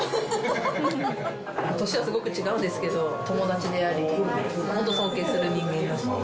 年はすごく違うんですけど、友達であり、尊敬する人間だし。